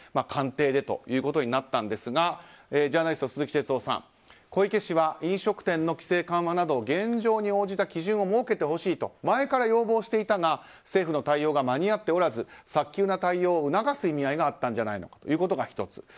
官邸でということになったんですがジャーナリスト鈴木哲夫さん小池氏は飲食店の規制緩和など現状に応じた基準を設けてほしいと前から要望していたが政府の対応が間に合っておらず早急な対応を促す意味合いがあったんじゃないかということが１つ。